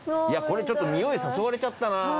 これちょっと匂い誘われちゃったな。